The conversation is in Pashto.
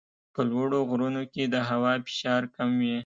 په لوړو غرونو کې د هوا فشار کم وي.